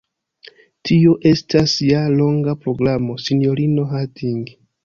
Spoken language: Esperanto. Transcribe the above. Tio estas ja longa programo, sinjorino Harding.